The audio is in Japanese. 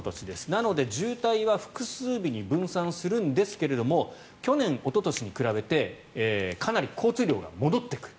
なので、渋滞は複数日に分散するんですけども去年、おととしに比べてかなり交通量が戻ってくる。